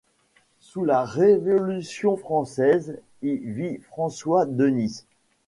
Sous la Révolution française, y vit François Denys.